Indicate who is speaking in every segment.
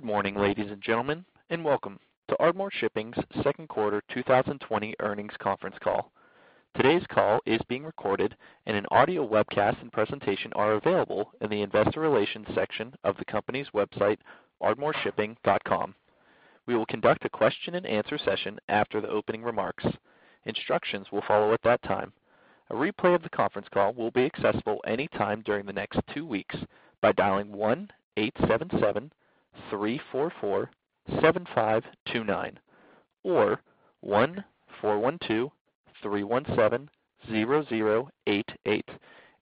Speaker 1: Good morning, ladies and gentlemen, and welcome to Ardmore Shipping's Second Quarter 2020 Earnings Conference Call. Today's call is being recorded, and an audio webcast and presentation are available in the Investor Relations section of the company's website, ardmoreshipping.com. We will conduct a question-and-answer session after the opening remarks. Instructions will follow at that time. A replay of the conference call will be accessible anytime during the next two weeks by dialing 1-877-344-7529, or 1-412-317-0088,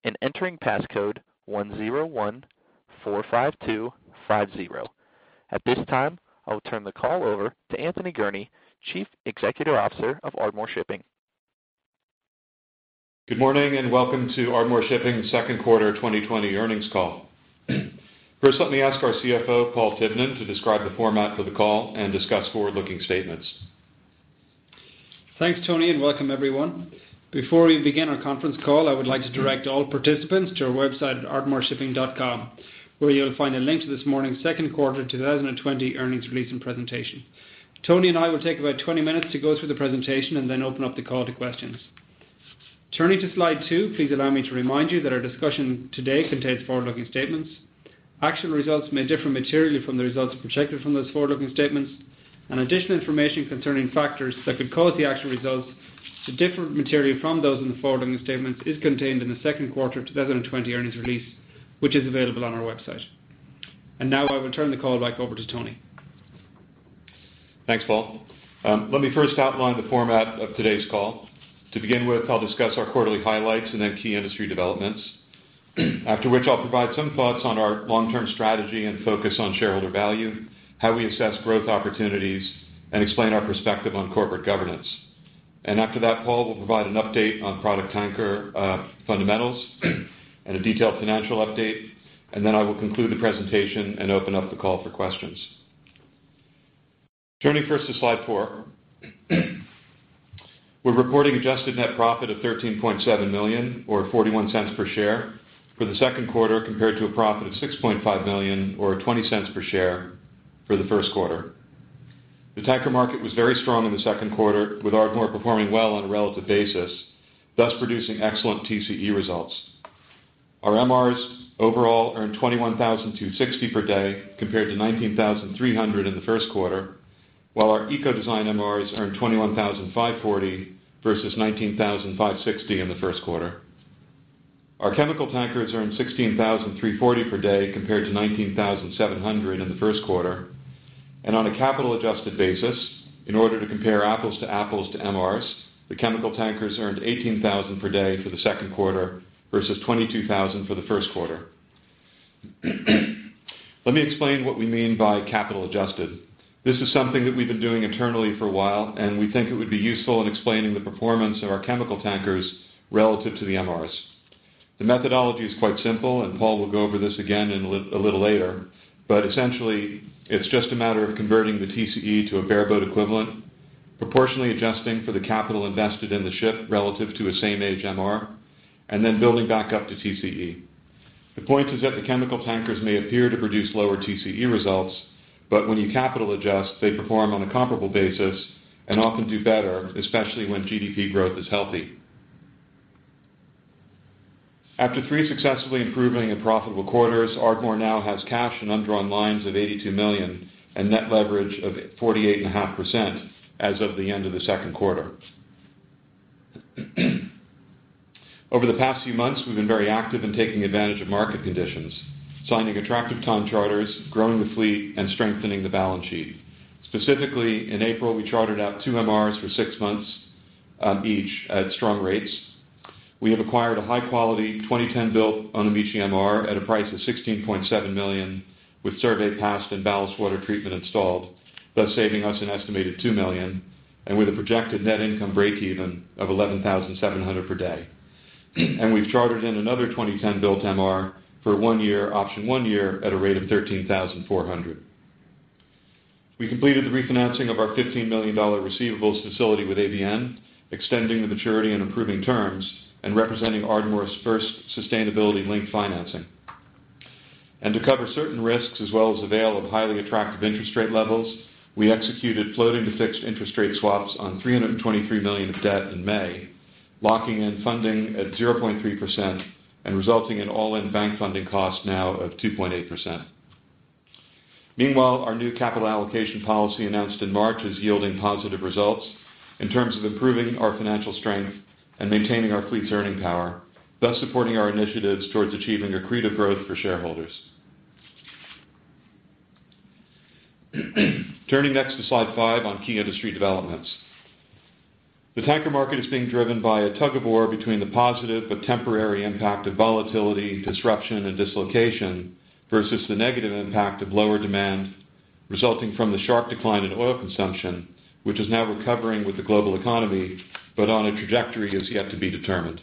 Speaker 1: and entering passcode 10145250. At this time, I'll turn the call over to Anthony Gurnee, Chief Executive Officer of Ardmore Shipping.
Speaker 2: Good morning, and welcome to Ardmore Shipping's Second Quarter 2020 Earnings Call. First, let me ask our CFO, Paul Tivnan, to describe the format for the call and discuss forward-looking statements.
Speaker 3: Thanks, Tony, and welcome everyone. Before we begin our conference call, I would like to direct all participants to our website at ardmoreshipping.com, where you'll find a link to this morning's Second Quarter 2020 Earnings Release and Presentation. Tony and I will take about 20 minutes to go through the presentation and then open up the call to questions. Turning to slide 2, please allow me to remind you that our discussion today contains forward-looking statements. Actual results may differ materially from the results projected from those forward-looking statements, and additional information concerning factors that could cause the actual results to differ materially from those in the forward-looking statements is contained in the second quarter 2020 earnings release, which is available on our website. And now I will turn the call back over to Tony.
Speaker 2: Thanks, Paul. Let me first outline the format of today's call. To begin with, I'll discuss our quarterly highlights and then key industry developments, after which I'll provide some thoughts on our long-term strategy and focus on shareholder value, how we assess growth opportunities, and explain our perspective on corporate governance. After that, Paul will provide an update on product tanker fundamentals, and a detailed financial update, and then I will conclude the presentation and open up the call for questions. Turning first to slide 4. We're reporting adjusted net profit of $13.7 million or $0.41 per share for the second quarter, compared to a profit of $6.5 million or $0.20 per share for the first quarter. The tanker market was very strong in the second quarter, with Ardmore performing well on a relative basis, thus producing excellent TCE results. Our MRs overall earned $21,260 per day, compared to $19,300 in the first quarter, while our Eco design MRs earned $21,540 versus $19,560 in the first quarter. Our chemical tankers earned $16,340 per day, compared to $19,700 in the first quarter. And on a capital-adjusted basis, in order to compare apples to apples to MRs, the chemical tankers earned $18,000 per day for the second quarter versus $22,000 for the first quarter. Let me explain what we mean by capital adjusted. This is something that we've been doing internally for a while, and we think it would be useful in explaining the performance of our chemical tankers relative to the MRs. The methodology is quite simple, and Paul will go over this again in a little later. But essentially, it's just a matter of converting the TCE to a bareboat equivalent, proportionally adjusting for the capital invested in the ship relative to a same-age MR, and then building back up to TCE. The point is that the chemical tankers may appear to produce lower TCE results, but when you capital adjust, they perform on a comparable basis and often do better, especially when GDP growth is healthy. After three successfully improving and profitable quarters, Ardmore now has cash and undrawn lines of $82 million and net leverage of 48.5% as of the end of the second quarter. Over the past few months, we've been very active in taking advantage of market conditions, signing attractive time charters, growing the fleet, and strengthening the balance sheet. Specifically, in April, we chartered out two MRs for six months, each at strong rates. We have acquired a high-quality, 2010-built Onomichi MR at a price of $16.7 million, with survey passed and ballast water treatment installed, thus saving us an estimated $2 million, and with a projected net income breakeven of $11,700 per day. We've chartered in another 2010-built MR for one year, option one year, at a rate of $13,400. We completed the refinancing of our $15 million receivables facility with ABN, extending the maturity and improving terms, and representing Ardmore's first sustainability-linked financing. To cover certain risks as well as avail of highly attractive interest rate levels, we executed floating-to-fixed interest rate swaps on $323 million of debt in May, locking in funding at 0.3% and resulting in all-in bank funding costs now of 2.8%. Meanwhile, our new capital allocation policy announced in March is yielding positive results in terms of improving our financial strength and maintaining our fleet's earning power, thus supporting our initiatives towards achieving accretive growth for shareholders. Turning next to slide 5 on key industry developments. The tanker market is being driven by a tug-of-war between the positive but temporary impact of volatility, disruption, and dislocation versus the negative impact of lower demand resulting from the sharp decline in oil consumption, which is now recovering with the global economy, but on a trajectory is yet to be determined.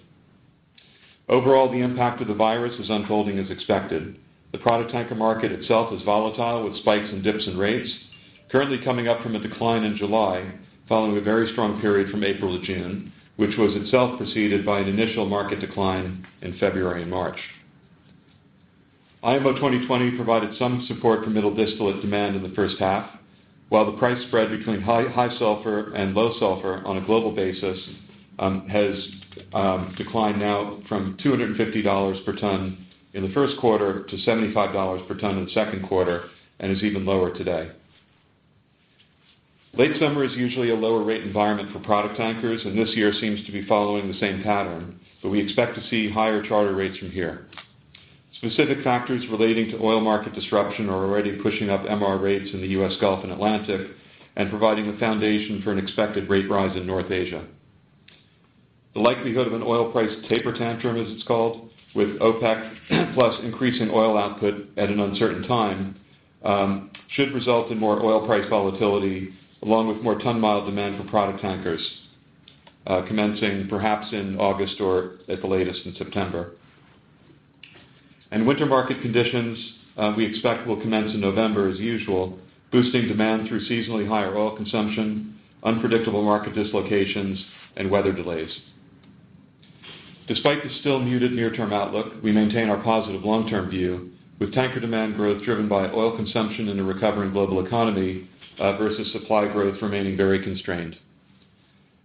Speaker 2: Overall, the impact of the virus is unfolding as expected. The product tanker market itself is volatile, with spikes and dips in rates currently coming up from a decline in July, following a very strong period from April to June, which was itself preceded by an initial market decline in February and March. IMO 2020 provided some support for middle distillate demand in the first half, while the price spread between high, high sulfur and low sulfur on a global basis has declined now from $250 per ton in the first quarter to $75 per ton in the second quarter, and is even lower today. Late summer is usually a lower rate environment for product tankers, and this year seems to be following the same pattern, but we expect to see higher charter rates from here. Specific factors relating to oil market disruption are already pushing up MR rates in the U.S. Gulf and Atlantic, and providing the foundation for an expected rate rise in North Asia. The likelihood of an oil price taper tantrum, as it's called, with OPEC, plus increase in oil output at an uncertain time, should result in more oil price volatility, along with more ton mile demand for product tankers, commencing perhaps in August or at the latest in September. And winter market conditions, we expect will commence in November as usual, boosting demand through seasonally higher oil consumption, unpredictable market dislocations, and weather delays. Despite the still muted near-term outlook, we maintain our positive long-term view, with tanker demand growth driven by oil consumption and a recovering global economy, versus supply growth remaining very constrained.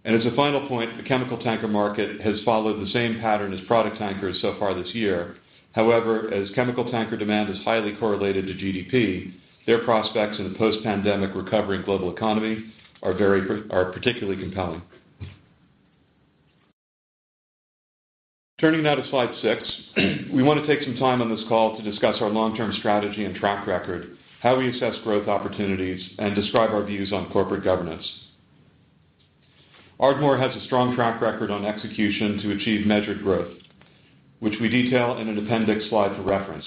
Speaker 2: And as a final point, the chemical tanker market has followed the same pattern as product tankers so far this year. However, as chemical tanker demand is highly correlated to GDP, their prospects in a post-pandemic recovery and global economy are particularly compelling. Turning now to slide 6, we want to take some time on this call to discuss our long-term strategy and track record, how we assess growth opportunities, and describe our views on corporate governance. Ardmore has a strong track record on execution to achieve measured growth, which we detail in an appendix slide for reference.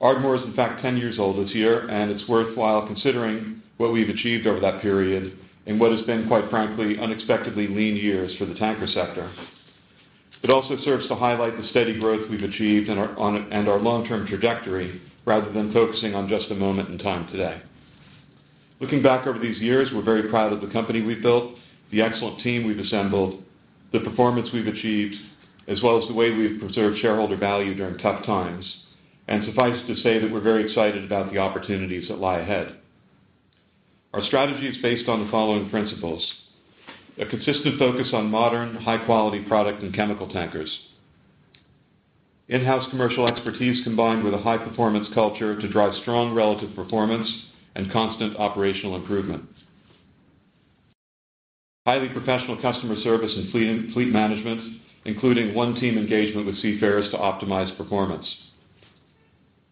Speaker 2: Ardmore is, in fact, 10 years old this year, and it's worthwhile considering what we've achieved over that period and what has been, quite frankly, unexpectedly lean years for the tanker sector. It also serves to highlight the steady growth we've achieved and our and our long-term trajectory, rather than focusing on just a moment in time today. Looking back over these years, we're very proud of the company we've built, the excellent team we've assembled, the performance we've achieved, as well as the way we've preserved shareholder value during tough times. And suffice to say that we're very excited about the opportunities that lie ahead. Our strategy is based on the following principles: A consistent focus on modern, high-quality product and chemical tankers. In-house commercial expertise, combined with a high-performance culture to drive strong relative performance and constant operational improvement. Highly professional customer service and fleet, fleet management, including one team engagement with seafarers to optimize performance.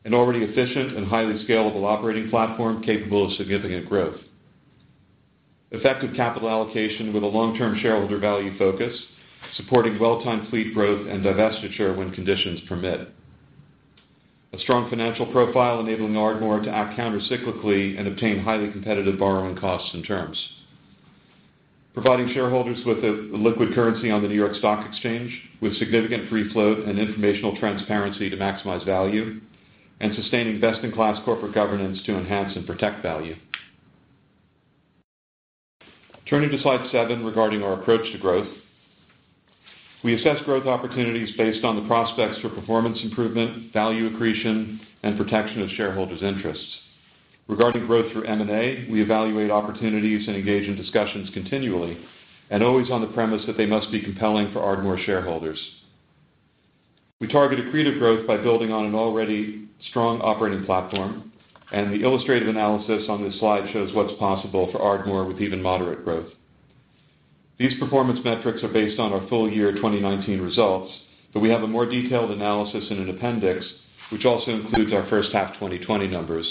Speaker 2: An already efficient and highly scalable operating platform capable of significant growth. Effective capital allocation with a long-term shareholder value focus, supporting well-timed fleet growth and divestiture when conditions permit. A strong financial profile, enabling Ardmore to act countercyclically and obtain highly competitive borrowing costs and terms. Providing shareholders with a liquid currency on the New York Stock Exchange, with significant free float and informational transparency to maximize value, and sustaining best-in-class corporate governance to enhance and protect value. Turning to slide 7, regarding our approach to growth. We assess growth opportunities based on the prospects for performance improvement, value accretion, and protection of shareholders' interests. Regarding growth through M&A, we evaluate opportunities and engage in discussions continually, and always on the premise that they must be compelling for Ardmore shareholders. We target accretive growth by building on an already strong operating platform, and the illustrative analysis on this slide shows what's possible for Ardmore with even moderate growth. These performance metrics are based on our full year 2019 results, but we have a more detailed analysis in an appendix, which also includes our first half 2020 numbers.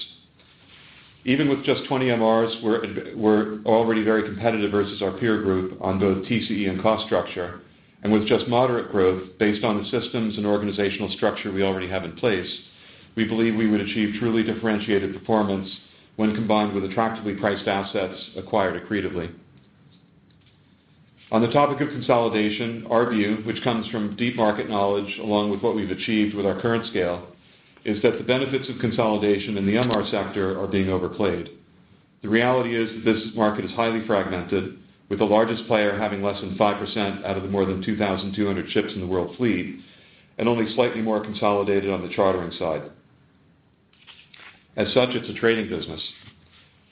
Speaker 2: Even with just 20 MRs, we're already very competitive versus our peer group on both TCE and cost structure, and with just moderate growth, based on the systems and organizational structure we already have in place, we believe we would achieve truly differentiated performance when combined with attractively priced assets acquired accretively. On the topic of consolidation, our view, which comes from deep market knowledge, along with what we've achieved with our current scale, is that the benefits of consolidation in the MR sector are being overplayed. The reality is that this market is highly fragmented, with the largest player having less than 5% out of the more than 2,200 ships in the world fleet, and only slightly more consolidated on the chartering side. As such, it's a trading business,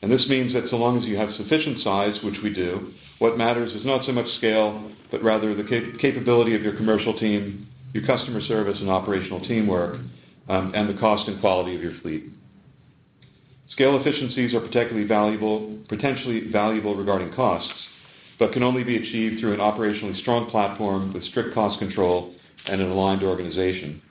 Speaker 2: and this means that so long as you have sufficient size, which we do, what matters is not so much scale, but rather the capability of your commercial team, your customer service and operational teamwork, and the cost and quality of your fleet. Scale efficiencies are particularly potentially valuable regarding costs, but can only be achieved through an operationally strong platform with strict cost control and an aligned organization.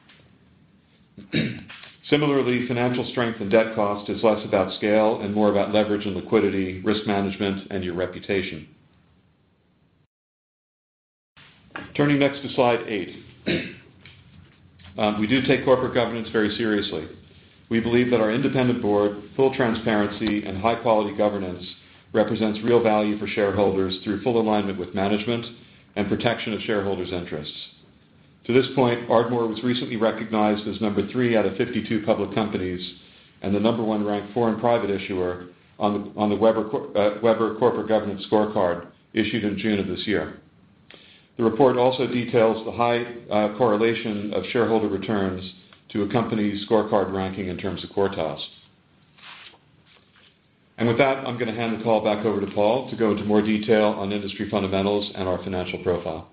Speaker 2: Similarly, financial strength and debt cost is less about scale and more about leverage and liquidity, risk management, and your reputation. Turning next to slide eight. We do take corporate governance very seriously. We believe that our independent board, full transparency, and high-quality governance represents real value for shareholders through full alignment with management and protection of shareholders' interests. To this point, Ardmore was recently recognized as number 3 out of 52 public companies, and the number 1 ranked foreign private issuer on the Webber Corporate Governance Scorecard, issued in June of this year. The report also details the high correlation of shareholder returns to a company's scorecard ranking in terms of quartiles. With that, I'm gonna hand the call back over to Paul, to go into more detail on industry fundamentals and our financial profile.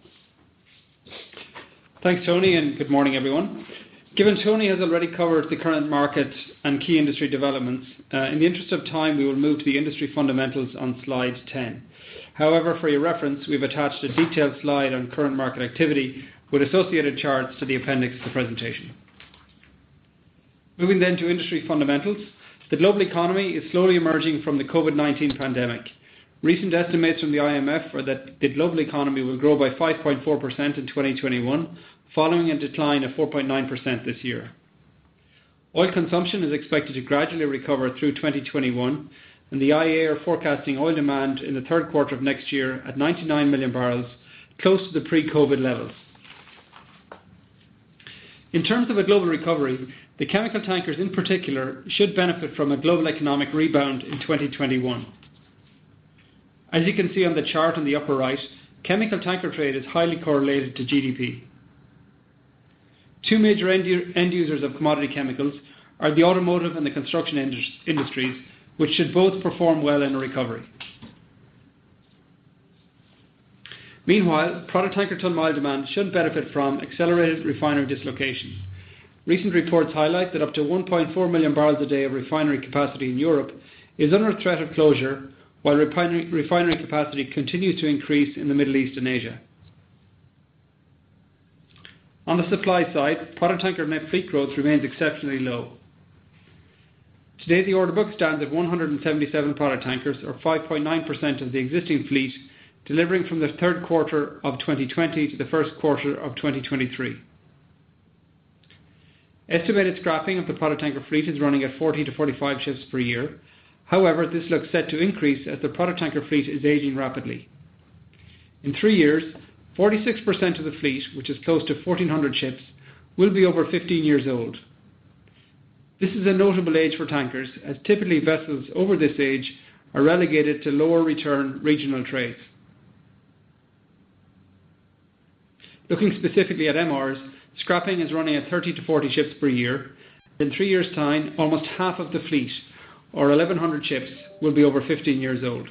Speaker 3: Thanks, Tony, and good morning, everyone. Given Tony has already covered the current markets and key industry developments, in the interest of time, we will move to the industry fundamentals on slide 10. However, for your reference, we've attached a detailed slide on current market activity with associated charts to the appendix of the presentation. Moving then to industry fundamentals, the global economy is slowly emerging from the COVID-19 pandemic. Recent estimates from the IMF are that the global economy will grow by 5.4% in 2021, following a decline of 4.9% this year. Oil consumption is expected to gradually recover through 2021, and the IEA are forecasting oil demand in the third quarter of next year at 99 million barrels, close to the pre-COVID levels. In terms of a global recovery, the chemical tankers in particular should benefit from a global economic rebound in 2021. As you can see on the chart in the upper right, chemical tanker trade is highly correlated to GDP. Two major end users of commodity chemicals are the automotive and the construction industries, which should both perform well in a recovery. Meanwhile, product tanker ton-mile demand should benefit from accelerated refinery dislocations. Recent reports highlight that up to 1.4 million barrels a day of refinery capacity in Europe is under a threat of closure, while refinery capacity continues to increase in the Middle East and Asia. On the supply side, product tanker net fleet growth remains exceptionally low. Today, the order book stands at 177 product tankers, or 5.9% of the existing fleet, delivering from the third quarter of 2020 to the first quarter of 2023. Estimated scrapping of the product tanker fleet is running at 40-45 ships per year. However, this looks set to increase as the product tanker fleet is aging rapidly. In 3 years, 46% of the fleet, which is close to 1,400 ships, will be over 15 years old. This is a notable age for tankers, as typically vessels over this age are relegated to lower return regional trades. Looking specifically at MRs, scrapping is running at 30-40 ships per year. In 3 years' time, almost half of the fleet, or 1,100 ships, will be over 15 years old.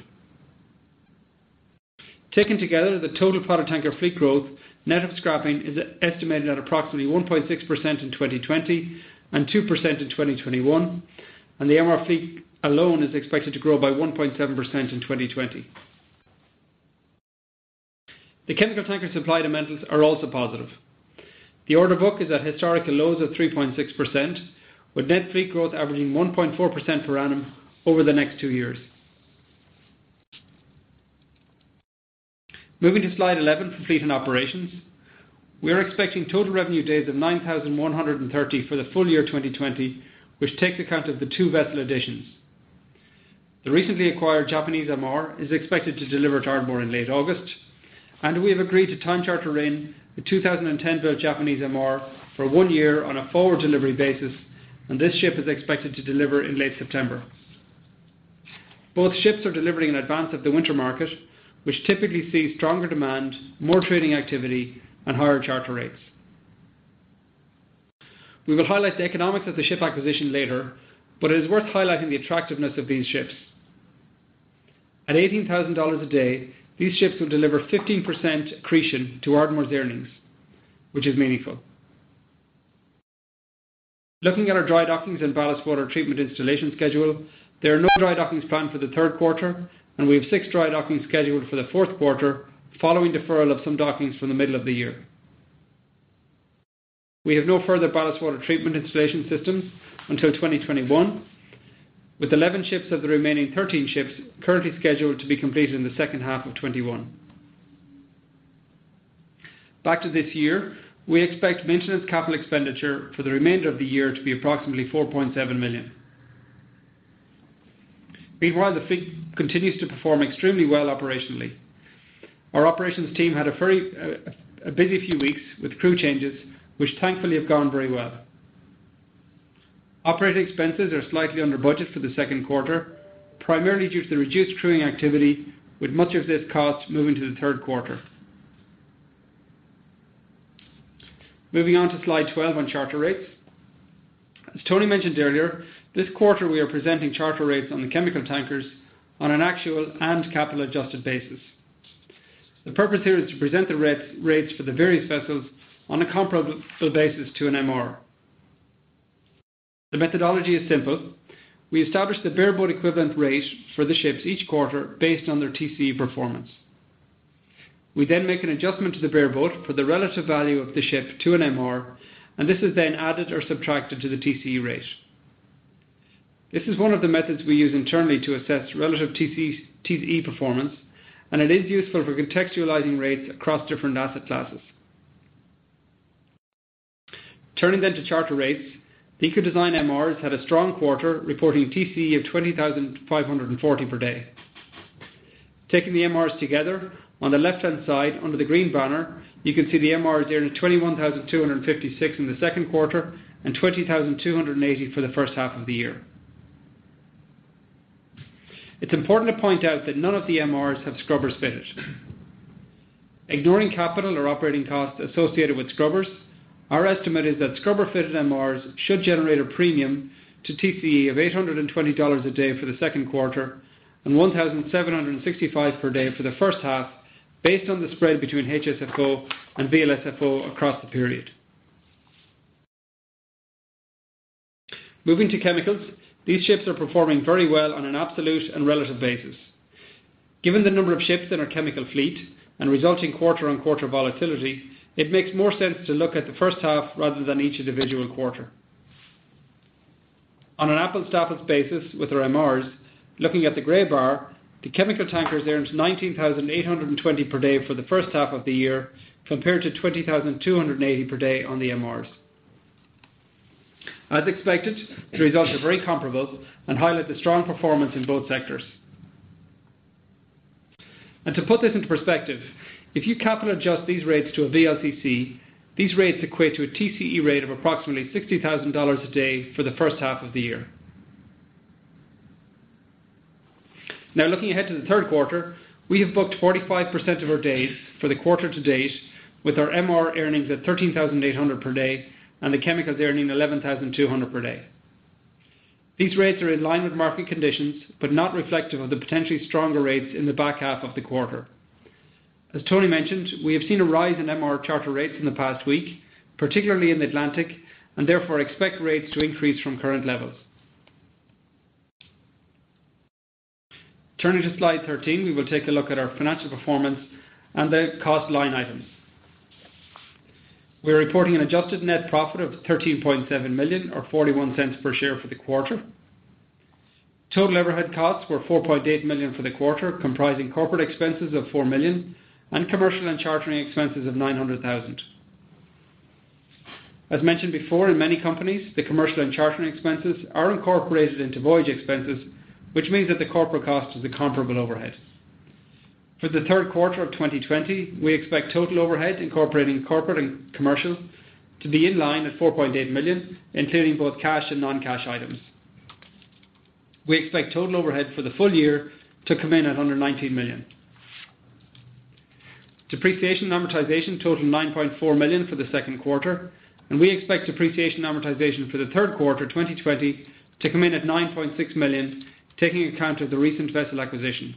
Speaker 3: Taken together, the total product tanker fleet growth, net of scrapping, is estimated at approximately 1.6% in 2020 and 2% in 2021, and the MR fleet alone is expected to grow by 1.7% in 2020. The chemical tanker supply fundamentals are also positive. The order book is at historical lows of 3.6%, with net fleet growth averaging 1.4% per annum over the next two years. Moving to slide 11 for fleet and operations. We are expecting total revenue days of 9,130 for the full year 2020, which takes account of the 2 vessel additions. The recently acquired Japanese MR is expected to deliver to Ardmore in late August, and we have agreed to time charter in a 2010-built Japanese MR for one year on a forward delivery basis, and this ship is expected to deliver in late September. Both ships are delivering in advance of the winter market, which typically sees stronger demand, more trading activity, and higher charter rates. We will highlight the economics of the ship acquisition later, but it is worth highlighting the attractiveness of these ships. At $18,000 a day, these ships will deliver 15% accretion to Ardmore's earnings, which is meaningful. Looking at our dry dockings and ballast water treatment installation schedule, there are no dry dockings planned for the third quarter, and we have 6 dry dockings scheduled for the fourth quarter, following deferral of some dockings from the middle of the year. We have no further ballast water treatment installation systems until 2021, with 11 ships of the remaining 13 ships currently scheduled to be completed in the second half of 2021. Back to this year, we expect maintenance capital expenditure for the remainder of the year to be approximately $4.7 million. Meanwhile, the fleet continues to perform extremely well operationally. Our operations team had a very busy few weeks with crew changes, which thankfully have gone very well. Operating expenses are slightly under budget for the second quarter, primarily due to the reduced crewing activity, with much of this cost moving to the third quarter. Moving on to slide 12 on charter rates. As Tony mentioned earlier, this quarter, we are presenting charter rates on the chemical tankers on an actual and capital adjusted basis. The purpose here is to present the rates, rates for the various vessels on a comparable basis to an MR. The methodology is simple. We establish the bareboat equivalent rate for the ships each quarter based on their TCE performance. We then make an adjustment to the bareboat for the relative value of the ship to an MR, and this is then added or subtracted to the TCE rate. This is one of the methods we use internally to assess relative TCE, TCE performance, and it is useful for contextualizing rates across different asset classes. Turning then to charter rates. The Eco design MRs had a strong quarter, reporting TCE of $20,540 per day. Taking the MRs together, on the left-hand side, under the green banner, you can see the MRs earned $21,256 in the second quarter and $20,280 for the first half of the year. It's important to point out that none of the MRs have scrubber fitted. Ignoring capital or operating costs associated with scrubbers, our estimate is that scrubber-fitted MRs should generate a premium to TCE of $820 a day for the second quarter, and $1,765 per day for the first half, based on the spread between HSFO and VLSFO across the period. Moving to chemicals, these ships are performing very well on an absolute and relative basis. Given the number of ships in our chemical fleet and resulting quarter-on-quarter volatility, it makes more sense to look at the first half rather than each individual quarter. On an apples to apples basis with our MRs, looking at the gray bar, the chemical tankers earned $19,820 per day for the first half of the year, compared to $20,280 per day on the MRs. As expected, the results are very comparable and highlight the strong performance in both sectors. To put this into perspective, if you capital adjust these rates to a VLCC, these rates equate to a TCE rate of approximately $60,000 a day for the first half of the year. Now, looking ahead to the third quarter, we have booked 45% of our days for the quarter to date, with our MR earnings at $13,800 per day, and the chemicals earning $11,200 per day. These rates are in line with market conditions, but not reflective of the potentially stronger rates in the back half of the quarter. As Tony mentioned, we have seen a rise in MR charter rates in the past week, particularly in Atlantic, and therefore expect rates to increase from current levels. Turning to Slide 13, we will take a look at our financial performance and the cost line items. We are reporting an adjusted net profit of $13.7 million, or $0.41 per share for the quarter. Total overhead costs were $4.8 million for the quarter, comprising corporate expenses of $4 million and commercial and chartering expenses of $900,000. As mentioned before, in many companies, the commercial and chartering expenses are incorporated into voyage expenses, which means that the corporate cost is a comparable overhead. For the third quarter of 2020, we expect total overhead, incorporating corporate and commercial, to be in line at $4.8 million, including both cash and non-cash items. We expect total overhead for the full year to come in at under $19 million. Depreciation and amortization totaled $9.4 million for the second quarter, and we expect depreciation and amortization for the third quarter 2020 to come in at $9.6 million, taking account of the recent vessel acquisition.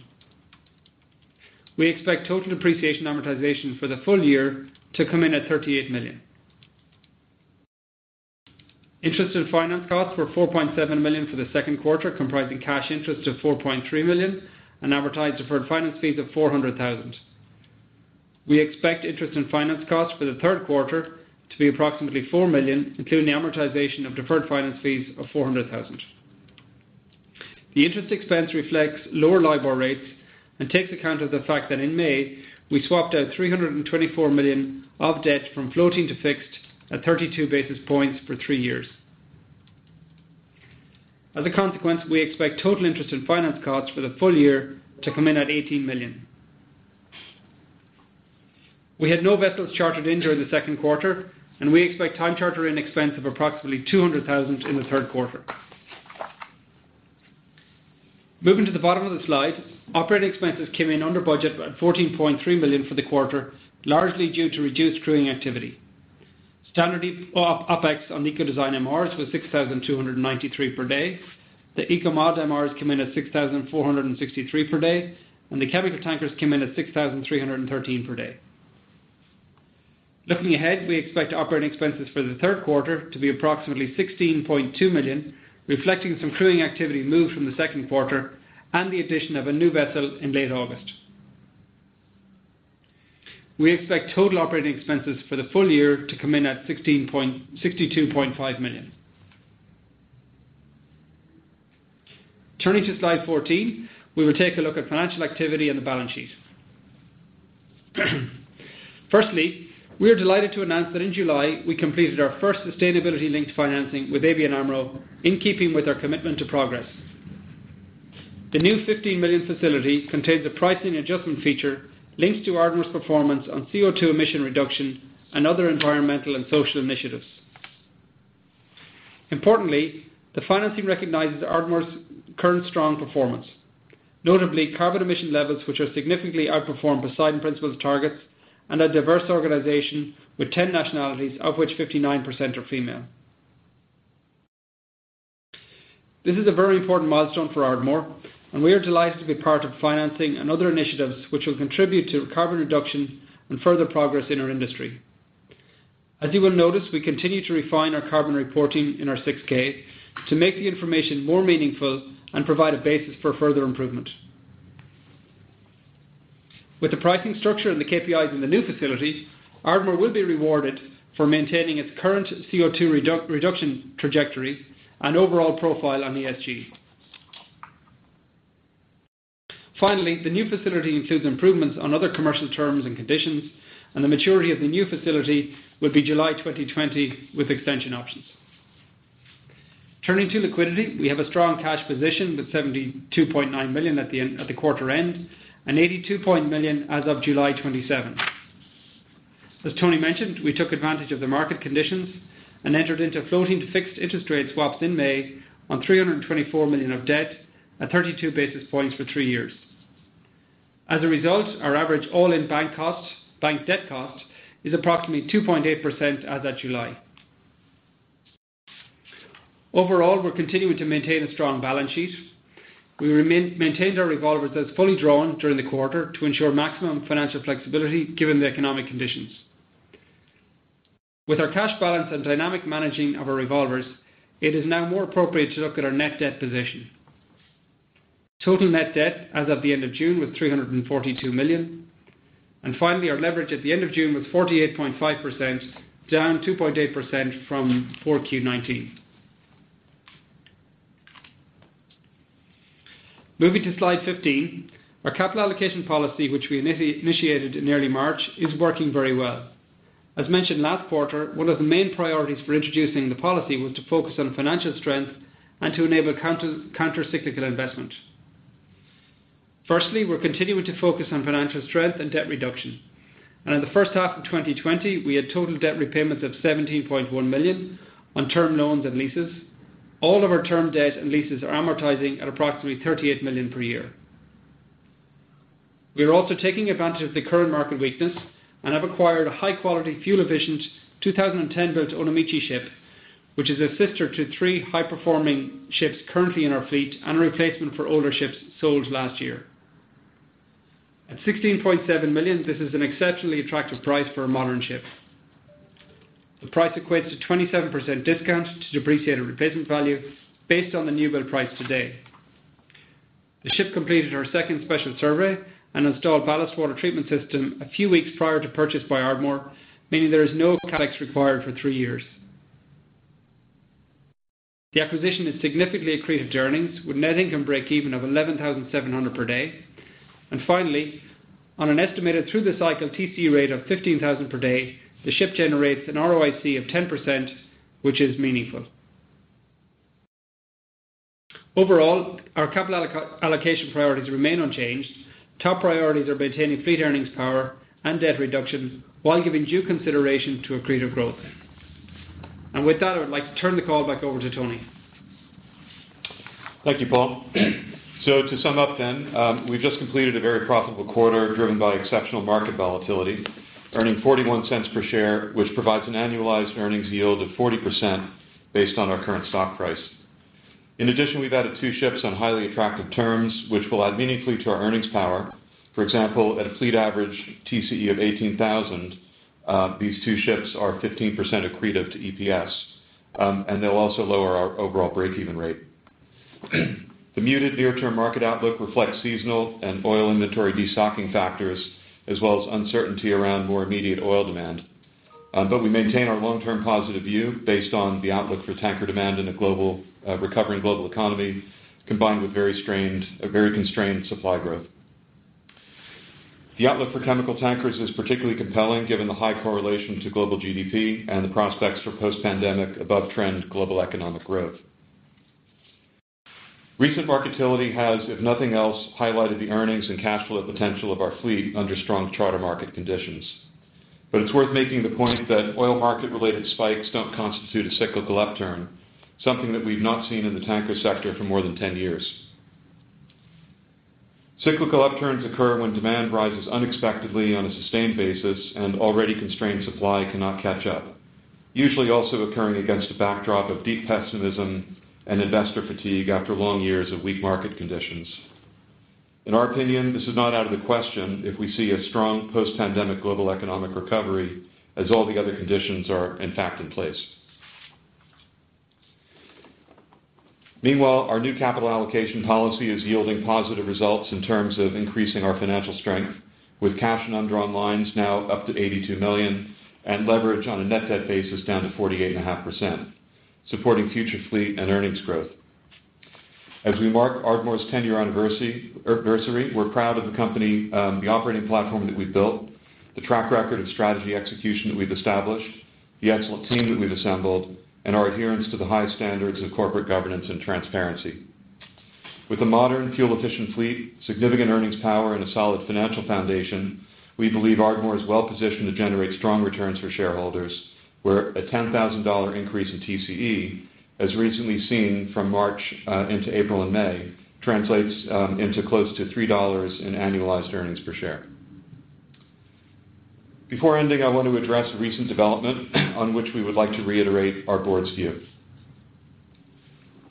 Speaker 3: We expect total depreciation amortization for the full year to come in at $38 million. Interest and finance costs were $4.7 million for the second quarter, comprising cash interest of $4.3 million and amortized deferred finance fees of $400,000. We expect interest and finance costs for the third quarter to be approximately $4 million, including the amortization of deferred finance fees of $400,000. The interest expense reflects lower LIBOR rates and takes account of the fact that in May, we swapped out $324 million of debt from floating to fixed at 32 basis points for three years. As a consequence, we expect total interest and finance costs for the full year to come in at $18 million. We had no vessels chartered in during the second quarter, and we expect time charter-in expense of approximately $200,000 in the third quarter. Moving to the bottom of the slide, operating expenses came in under budget at $14.3 million for the quarter, largely due to reduced crewing activity. Standard OpEx on Eco-Design MRs was $6,293 per day. The Eco-Mod MRs came in at $6,463 per day, and the chemical tankers came in at $6,313 per day. Looking ahead, we expect operating expenses for the third quarter to be approximately $16.2 million, reflecting some crewing activity moved from the second quarter and the addition of a new vessel in late August. We expect total operating expenses for the full year to come in at $62.5 million. Turning to Slide 14, we will take a look at financial activity and the balance sheet. Firstly, we are delighted to announce that in July, we completed our first sustainability-linked financing with ABN AMRO, in keeping with our Commitment to Progress. The new $15 million facility contains a pricing adjustment feature linked to Ardmore's performance on CO2 emission reduction and other environmental and social initiatives. Importantly, the financing recognizes Ardmore's current strong performance, notably carbon emission levels, which are significantly outperformed Poseidon Principles targets, and a diverse organization with 10 nationalities, of which 59% are female. This is a very important milestone for Ardmore, and we are delighted to be part of financing and other initiatives which will contribute to carbon reduction and further progress in our industry. As you will notice, we continue to refine our carbon reporting in our 6-K to make the information more meaningful and provide a basis for further improvement. With the pricing structure and the KPIs in the new facility, Ardmore will be rewarded for maintaining its current CO2 reduction trajectory and overall profile on ESG. Finally, the new facility includes improvements on other commercial terms and conditions, and the maturity of the new facility will be July 2020 with extension options. Turning to liquidity, we have a strong cash position with $72.9 million at the end, at the quarter end, and $82 million as of July 27th. As Tony mentioned, we took advantage of the market conditions and entered into floating to fixed interest rate swaps in May on $324 million of debt at 32 basis points for 3 years. As a result, our average all-in bank costs, bank debt costs is approximately 2.8% as at July. Overall, we're continuing to maintain a strong balance sheet. We maintained our revolvers as fully drawn during the quarter to ensure maximum financial flexibility, given the economic conditions. With our cash balance and dynamic managing of our revolvers, it is now more appropriate to look at our net debt position. Total net debt as of the end of June was $342 million. Finally, our leverage at the end of June was 48.5%, down 2.8% from 4Q 2019. Moving to Slide 15, our capital allocation policy, which we initiated in early March, is working very well. As mentioned last quarter, one of the main priorities for introducing the policy was to focus on financial strength and to enable countercyclical investment. Firstly, we're continuing to focus on financial strength and debt reduction. In the first half of 2020, we had total debt repayments of $17.1 million on term loans and leases. All of our term debt and leases are amortizing at approximately $38 million per year. We are also taking advantage of the current market weakness and have acquired a high-quality, fuel-efficient, 2010-built Onomichi ship, which is a sister to three high-performing ships currently in our fleet and a replacement for older ships sold last year. At $16.7 million, this is an exceptionally attractive price for a modern ship. The price equates to 27% discount to depreciated replacement value based on the new build price today. The ship completed her second special survey and installed ballast water treatment system a few weeks prior to purchase by Ardmore, meaning there is no CapEx required for three years. The acquisition is significantly accretive to earnings, with net income break even of 11,700 per day. Finally, on an estimated through the cycle TCE rate of $15,000 per day, the ship generates an ROIC of 10%, which is meaningful. Overall, our capital allocation priorities remain unchanged. Top priorities are maintaining fleet earnings power and debt reduction, while giving due consideration to accretive growth. With that, I would like to turn the call back over to Tony.
Speaker 2: Thank you, Paul. So to sum up then, we've just completed a very profitable quarter, driven by exceptional market volatility, earning $0.41 per share, which provides an annualized earnings yield of 40% based on our current stock price. In addition, we've added 2 ships on highly attractive terms, which will add meaningfully to our earnings power. For example, at a fleet average TCE of $18,000, these 2 ships are 15% accretive to EPS, and they'll also lower our overall break-even rate. The muted near-term market outlook reflects seasonal and oil inventory destocking factors, as well as uncertainty around more immediate oil demand. But we maintain our long-term positive view based on the outlook for tanker demand in a global, recovering global economy, combined with a very constrained supply growth. The outlook for chemical tankers is particularly compelling, given the high correlation to global GDP and the prospects for post-pandemic above-trend global economic growth. Recent market activity has, if nothing else, highlighted the earnings and cash flow potential of our fleet under strong charter market conditions. But it's worth making the point that oil market-related spikes don't constitute a cyclical upturn, something that we've not seen in the tanker sector for more than 10 years. Cyclical upturns occur when demand rises unexpectedly on a sustained basis, and already constrained supply cannot catch up, usually also occurring against a backdrop of deep pessimism and investor fatigue after long years of weak market conditions. In our opinion, this is not out of the question if we see a strong post-pandemic global economic recovery, as all the other conditions are in fact, in place. Meanwhile, our new capital allocation policy is yielding positive results in terms of increasing our financial strength, with cash and undrawn lines now up to $82 million, and leverage on a net debt basis down to 48.5%, supporting future fleet and earnings growth. As we mark Ardmore's tenth anniversary, we're proud of the company, the operating platform that we've built, the track record of strategy execution that we've established, the excellent team that we've assembled, and our adherence to the high standards of corporate governance and transparency. With a modern, fuel-efficient fleet, significant earnings power, and a solid financial foundation, we believe Ardmore is well positioned to generate strong returns for shareholders, where a $10,000 increase in TCE, as recently seen from March into April and May, translates into close to $3 in annualized earnings per share. Before ending, I want to address a recent development on which we would like to reiterate our board's view.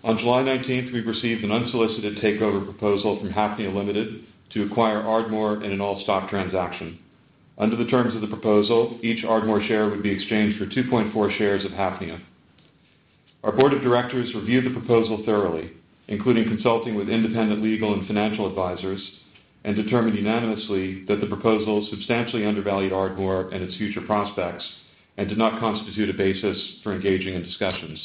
Speaker 2: On July 19, we received an unsolicited takeover proposal from Hafnia Limited to acquire Ardmore in an all-stock transaction. Under the terms of the proposal, each Ardmore share would be exchanged for 2.4 shares of Hafnia. Our board of directors reviewed the proposal thoroughly, including consulting with independent legal and financial advisors, and determined unanimously that the proposal substantially undervalued Ardmore and its future prospects, and did not constitute a basis for engaging in discussions.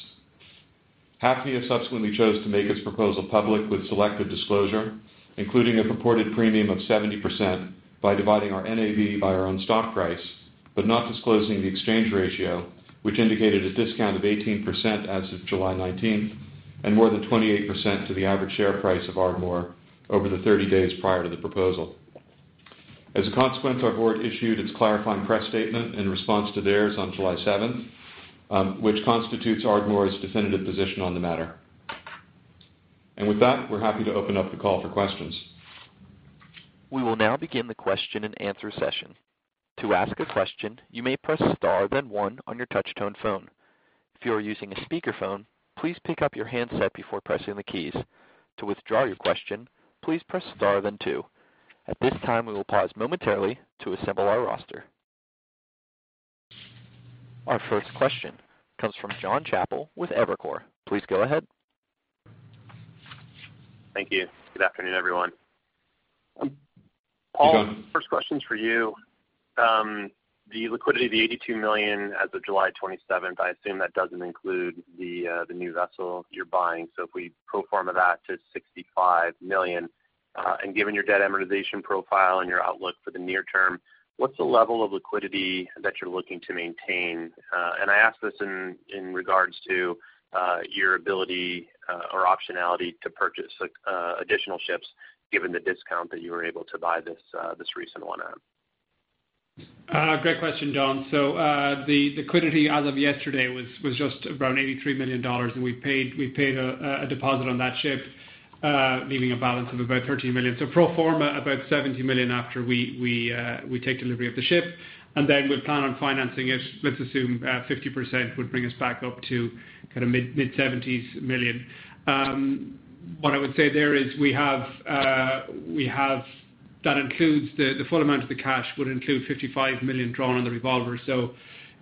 Speaker 2: Hafnia subsequently chose to make its proposal public with selective disclosure, including a purported premium of 70%, by dividing our NAV by our own stock price. but not disclosing the exchange ratio, which indicated a discount of 18% as of July 19, and more than 28% to the average share price of Ardmore over the 30 days prior to the proposal. As a consequence, our board issued its clarifying press statement in response to theirs on July 7, which constitutes Ardmore's definitive position on the matter. With that, we're happy to open up the call for questions.
Speaker 1: We will now begin the question-and-answer session. To ask a question, you may press star, then one on your touchtone phone. If you are using a speakerphone, please pick up your handset before pressing the keys. To withdraw your question, please press star, then two. At this time, we will pause momentarily to assemble our roster. Our first question comes from Jonathan Chappell with Evercore. Please go ahead.
Speaker 4: Thank you. Good afternoon, everyone. Paul
Speaker 3: Good afternoon.
Speaker 4: First question's for you. The liquidity of the $82 million as of July 27, I assume that doesn't include the new vessel you're buying. So if we pro forma that to $65 million, and given your debt amortization profile and your outlook for the near term, what's the level of liquidity that you're looking to maintain? And I ask this in regards to your ability or optionality to purchase like additional ships, given the discount that you were able to buy this recent one at.
Speaker 3: Great question, John. So, the liquidity as of yesterday was just around $83 million, and we paid a deposit on that ship, leaving a balance of about $13 million. So pro forma, about $70 million after we take delivery of the ship, and then we'll plan on financing it. Let's assume 50% would bring us back up to kind of mid-70s million. What I would say there is, we have that includes the full amount of the cash would include $55 million drawn on the revolver. So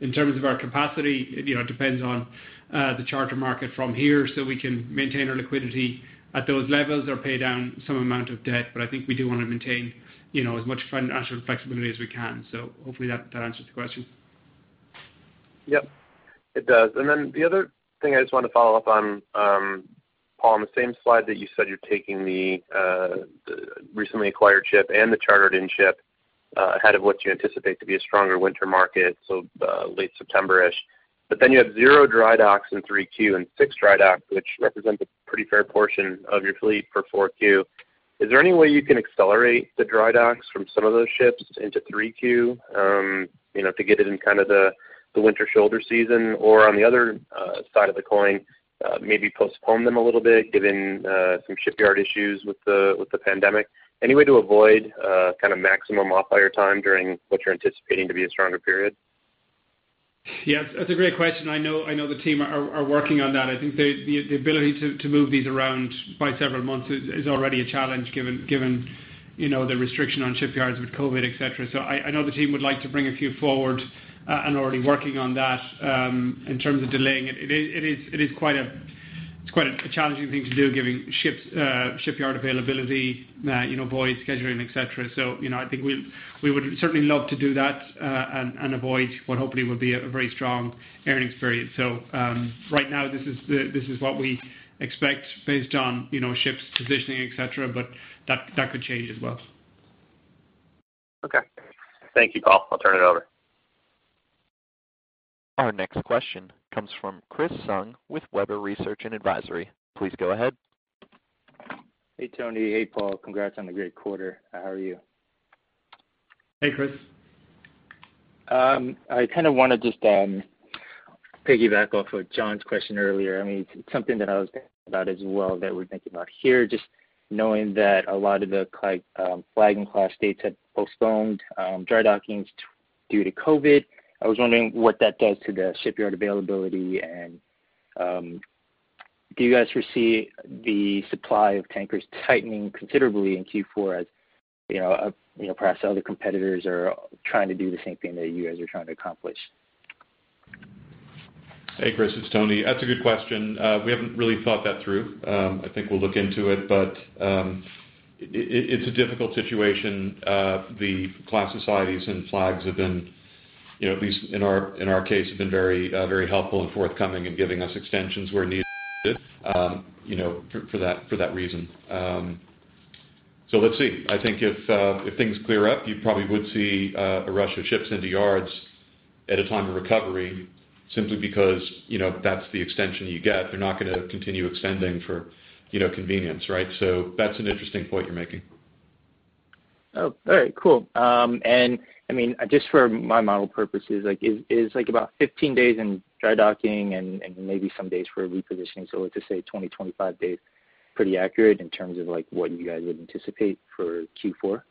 Speaker 3: in terms of our capacity, it you know depends on the charter market from here, so we can maintain our liquidity at those levels or pay down some amount of debt. I think we do want to maintain, you know, as much financial flexibility as we can. Hopefully that answers the question.
Speaker 4: Yep, it does. And then the other thing I just wanted to follow up on, Paul, on the same slide that you said you're taking the, the recently acquired ship and the chartered-in ship, ahead of what you anticipate to be a stronger winter market, so, late September-ish. But then you have zero dry docks in 3Q and 6 dry docks, which represents a pretty fair portion of your fleet for 4Q. Is there any way you can accelerate the dry docks from some of those ships into 3Q, you know, to get it in kind of the, the winter shoulder season? Or on the other, side of the coin, maybe postpone them a little bit, given, some shipyard issues with the, with the pandemic. Any way to avoid, kind of maximum off-hire time during what you're anticipating to be a stronger period?
Speaker 3: Yeah, that's a great question. I know the team are working on that. I think the ability to move these around by several months is already a challenge, given you know the restriction on shipyards with COVID, et cetera. So I know the team would like to bring a few forward and are already working on that. In terms of delaying it, it is quite a, it's quite a challenging thing to do, given shipyard availability, you know, voids, scheduling, et cetera. So, you know, I think we would certainly love to do that, and avoid what hopefully will be a very strong earnings period. Right now, this is what we expect based on, you know, ships positioning, et cetera, but that could change as well.
Speaker 4: Okay. Thank you, Paul. I'll turn it over.
Speaker 1: Our next question comes from Chris Tsung with Webber Research & Advisory. Please go ahead.
Speaker 5: Hey, Tony. Hey, Paul. Congrats on the great quarter. How are you?
Speaker 3: Hey, Chris.
Speaker 5: I kind of want to just piggyback off of John's question earlier. I mean, it's something that I was thinking about as well, that we're thinking about here, just knowing that a lot of the flag and class states have postponed dry dockings due to COVID. I was wondering what that does to the shipyard availability, and do you guys foresee the supply of tankers tightening considerably in Q4 as, you know, you know, perhaps other competitors are trying to do the same thing that you guys are trying to accomplish?
Speaker 2: Hey, Chris, it's Tony. That's a good question. We haven't really thought that through. I think we'll look into it, but it's a difficult situation. The class societies and flags have been, you know, at least in our case, have been very, very helpful and forthcoming in giving us extensions where needed, you know, for that reason. So let's see. I think if things clear up, you probably would see a rush of ships in the yards at a time of recovery simply because, you know, that's the extension you get. They're not gonna continue extending for, you know, convenience, right? So that's an interesting point you're making.
Speaker 5: Oh, all right, cool. And I mean, just for my model purposes, like, is like about 15 days in drydocking and, and maybe some days for repositioning, so let's just say 20-25 days, pretty accurate in terms of, like, what you guys would anticipate for Q4?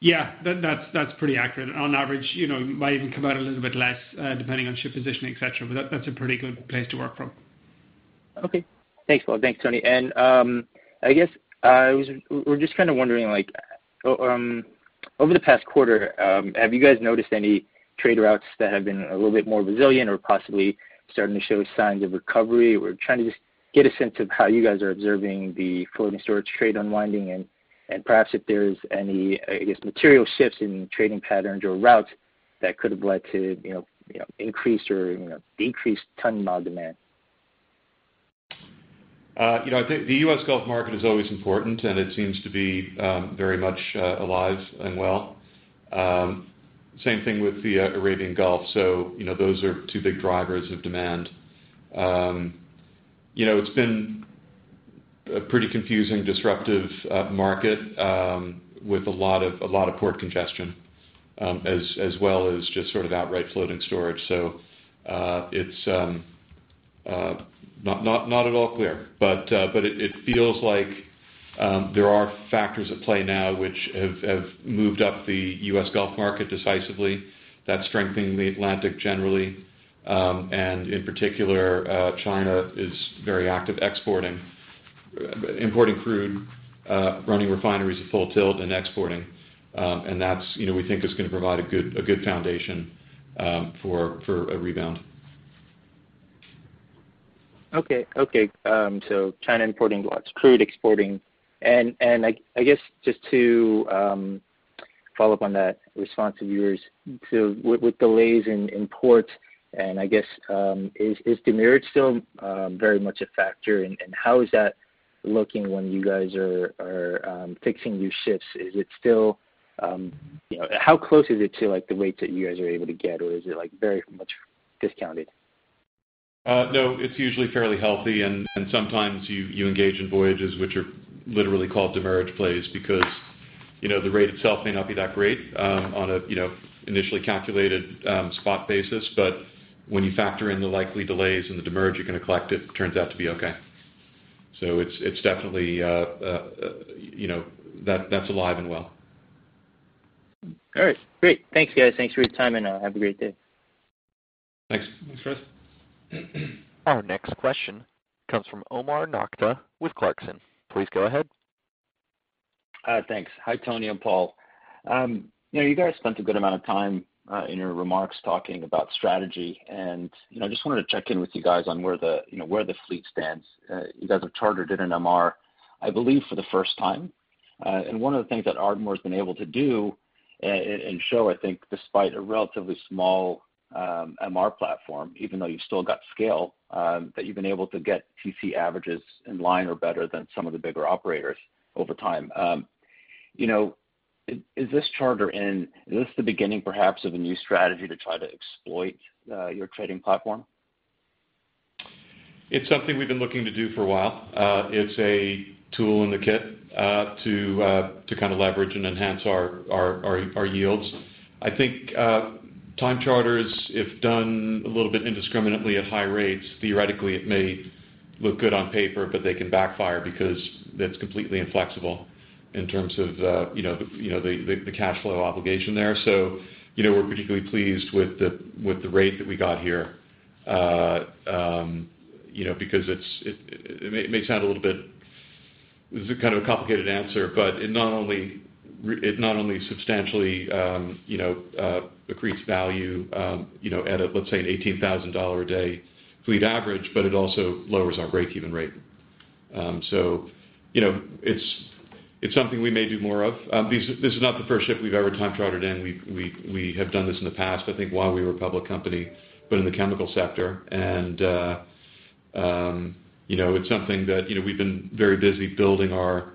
Speaker 3: Yeah, that's pretty accurate. On average, you know, it might even come out a little bit less, depending on ship positioning, et cetera, but that's a pretty good place to work from.
Speaker 5: Okay. Thanks, Paul. Thanks, Tony. And, I guess, we're just kind of wondering, like, over the past quarter, have you guys noticed any trade routes that have been a little bit more resilient or possibly starting to show signs of recovery? We're trying to just get a sense of how you guys are observing the floating storage trade unwinding and, and perhaps if there's any, I guess, material shifts in trading patterns or routes that could have led to, you know, you know, increased or, you know, decreased ton-mile demand.
Speaker 2: You know, I think the US Gulf market is always important, and it seems to be very much alive and well. Same thing with the Arabian Gulf. So, you know, those are two big drivers of demand. You know, it's been a pretty confusing, disruptive market with a lot of port congestion, as well as just sort of outright floating storage. So, it's not at all clear. But it feels like there are factors at play now which have moved up the US Gulf market decisively, that's strengthening the Atlantic generally. And in particular, China is very active importing crude, running refineries at full tilt and exporting. And that's, you know, we think is gonna provide a good foundation for a rebound.
Speaker 5: Okay. Okay, so China importing lots crude exporting. And I guess just to follow up on that response of yours. So with delays in imports, and I guess, is demurrage still very much a factor? And how is that looking when you guys are fixing new ships? Is it still, you know. How close is it to like, the rates that you guys are able to get, or is it, like, very much discounted?
Speaker 2: No, it's usually fairly healthy, and sometimes you engage in voyages which are literally called demurrage plays. Because, you know, the rate itself may not be that great on a you know initially calculated spot basis, but when you factor in the likely delays and the demurrage you're gonna collect, it turns out to be okay. So it's definitely you know that's alive and well.
Speaker 5: All right, great. Thanks, guys. Thanks for your time, and have a great day.
Speaker 2: Thanks.
Speaker 1: Thanks, Chris. Our next question comes from Omar Nokta with Clarksons. Please go ahead.
Speaker 6: Thanks. Hi, Tony and Paul. You know, you guys spent a good amount of time in your remarks talking about strategy, and, you know, I just wanted to check in with you guys on where the fleet stands. You guys have chartered in an MR, I believe, for the first time. And one of the things that Ardmore has been able to do and show, I think, despite a relatively small MR platform, even though you've still got scale, that you've been able to get TC averages in line or better than some of the bigger operators over time. You know, is this charter in - is this the beginning, perhaps, of a new strategy to try to exploit your trading platform?
Speaker 2: It's something we've been looking to do for a while. It's a tool in the kit to kind of leverage and enhance our yields. I think time charters, if done a little bit indiscriminately at high rates, theoretically, it may look good on paper, but they can backfire because that's completely inflexible in terms of you know the cash flow obligation there. So, you know, we're particularly pleased with the rate that we got here you know, because it may sound a little bit. This is a kind of a complicated answer, but it not only substantially increased value you know at a, let's say, an $18,000 a day fleet average, but it also lowers our break-even rate. So, you know, it's, it's something we may do more of. This is not the first ship we've ever time chartered in. We've done this in the past, I think, while we were a public company, but in the chemical sector. You know, it's something that, you know, we've been very busy building our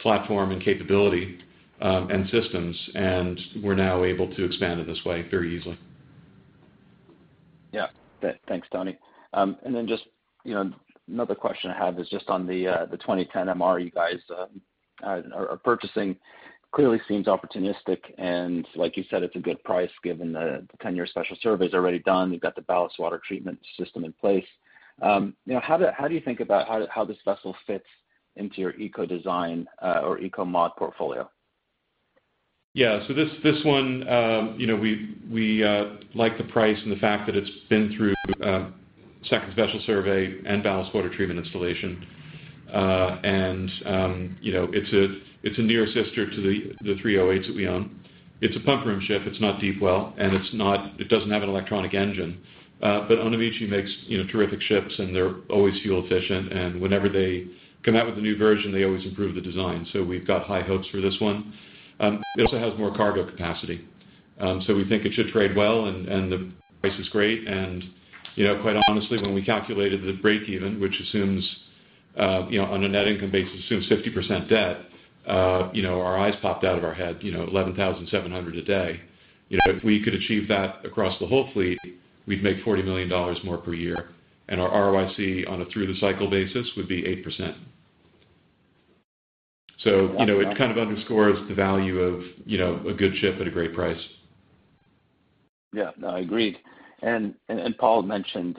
Speaker 2: platform and capability, and systems, and we're now able to expand it this way very easily.
Speaker 6: Yeah. Thanks, Tony. And then just, you know, another question I have is just on the 2010 MR you guys are purchasing. Clearly seems opportunistic, and like you said, it's a good price, given the 10-year Special Survey is already done. You've got the Ballast Water Treatment System in place. You know, how do you think about how this vessel fits into your Eco-design or Eco-mod portfolio?
Speaker 2: Yeah. So this one, you know, we like the price and the fact that it's been through second Special Survey and ballast water treatment installation. And, you know, it's a near sister to the three others that we own. It's a pump room ship, it's not deep well, and it's not, it doesn't have an electronic engine. But Onomichi makes, you know, terrific ships, and they're always fuel efficient, and whenever they come out with a new version, they always improve the design. So we've got high hopes for this one. It also has more cargo capacity. So we think it should trade well, and the price is great, and, you know, quite honestly, when we calculated the break even, which assumes, you know, on a net income basis, assumes 50% debt, you know, our eyes popped out of our head, you know, $11,700 a day. You know, if we could achieve that across the whole fleet, we'd make $40 million more per year, and our ROIC on a through-the-cycle basis would be 8%. So, you know, it kind of underscores the value of, you know, a good ship at a great price.
Speaker 6: Yeah, no, agreed. And Paul mentioned,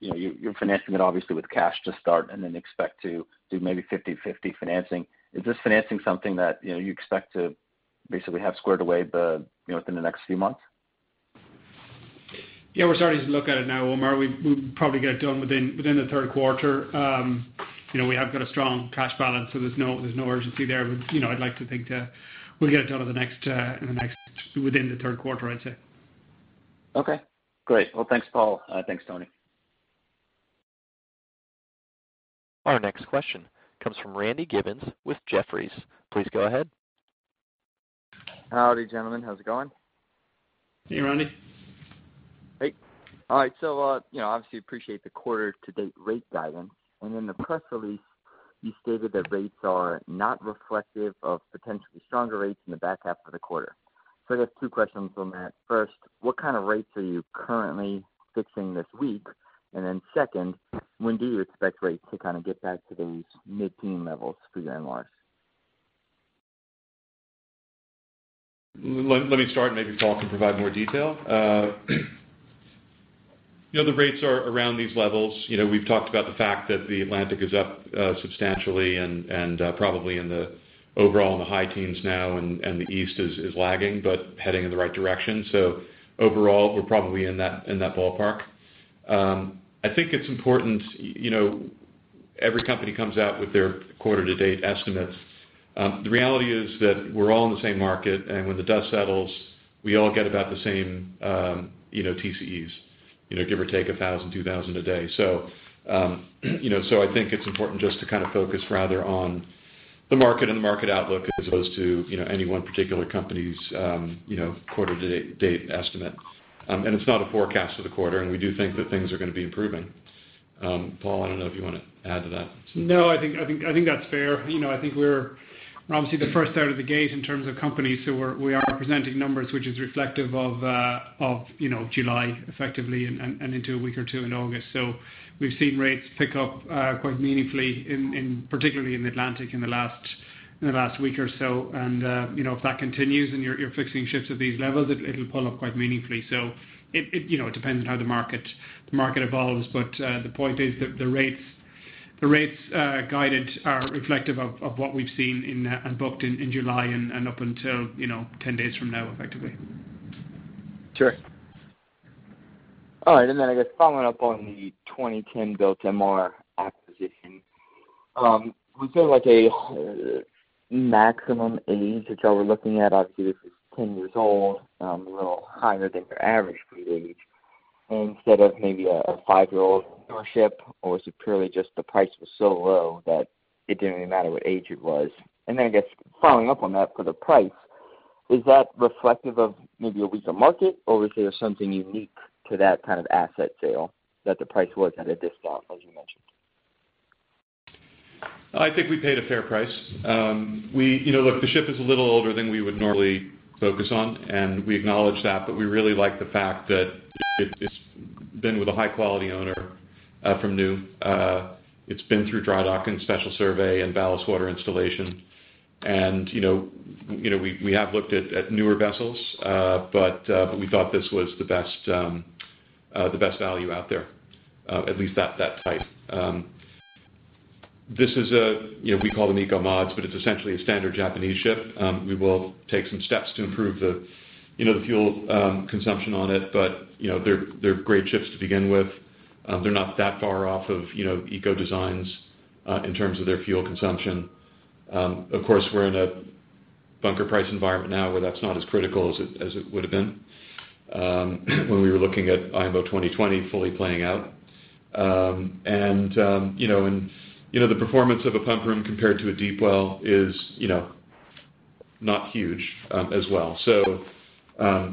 Speaker 6: you know, you're financing it obviously with cash to start and then expect to do maybe 50/50 financing. Is this financing something that, you know, you expect to basically have squared away, you know, within the next few months?
Speaker 2: Yeah, we're starting to look at it now, Omar. We'll probably get it done within the third quarter. You know, we have got a strong cash balance, so there's no urgency there. But, you know, I'd like to think that we'll get it done in the next within the third quarter, I'd say.
Speaker 6: Okay, great. Well, thanks, Paul. Thanks, Tony.
Speaker 1: Our next question comes from Randy Giveans with Jefferies. Please go ahead.
Speaker 7: Howdy, gentlemen. How's it going?
Speaker 2: Hey, Randy.
Speaker 7: Hey. All right, so, you know, obviously appreciate the quarter-to-date rate guidance. In the press release, you stated that rates are not reflective of potentially stronger rates in the back half of the quarter. I guess two questions on that. First, what kind of rates are you currently fixing this week? And then second, when do you expect rates to kind of get back to those mid-teen levels for your MRs?
Speaker 2: Let me start, and maybe Paul can provide more detail. You know, the rates are around these levels. You know, we've talked about the fact that the Atlantic is up substantially and probably in the overall in the high teens now, and the East is lagging but heading in the right direction. So overall, we're probably in that ballpark. I think it's important, you know, every company comes out with their quarter to date estimates. The reality is that we're all in the same market, and when the dust settles, we all get about the same, you know, TCEs, you know, give or take 1,000, 2,000 a day. So, you know, so I think it's important just to kind of focus rather on the market and the market outlook as opposed to, you know, any one particular company's, you know, quarter to date, date estimate. It's not a forecast for the quarter, and we do think that things are gonna be improving. Paul, I don't know if you wanna add to that?
Speaker 3: No, I think, I think, I think that's fair. You know, I think we're obviously the first out of the gate in terms of companies, so we are presenting numbers, which is reflective of, you know, July, effectively, and into a week or two in August. So we've seen rates pick up quite meaningfully in particular in Atlantic, in the last week or so. And, you know, if that continues and you're fixing ships at these levels, it'll pull up quite meaningfully. So it, you know, it depends on how the market evolves. But the point is that the rates guided are reflective of what we've seen and booked in July and up until, you know, 10 days from now, effectively.
Speaker 7: Sure. All right, and then, I guess, following up on the 2010-built MR acquisition. Was there like a maximum age, which you were looking at? Obviously, this is 10 years old, a little higher than your average fleet age, instead of maybe a 5-year-old ownership, or was it purely just the price was so low that it didn't really matter what age it was? And then, I guess, following up on that for the price, is that reflective of maybe a weaker market, or was there something unique to that kind of asset sale that the price was at a discount, as you mentioned?
Speaker 2: I think we paid a fair price. You know, look, the ship is a little older than we would normally focus on, and we acknowledge that, but we really like the fact that it, it's been with a high quality owner, from new. It's been through drydocking and Special Survey and ballast water installation. You know, we have looked at newer vessels, but we thought this was the best, the best value out there, at least that type. This is, you know, we call them eco-mods, but it's essentially a standard Japanese ship. We will take some steps to improve the fuel consumption on it, but, you know, they're great ships to begin with. They're not that far off of, you know, eco designs, in terms of their fuel consumption. Of course, we're in a bunker price environment now, where that's not as critical as it, as it would've been, when we were looking at IMO 2020 fully playing out. You know, and, you know, the performance of a pump room compared to a deep well is, you know, not huge, as well. So,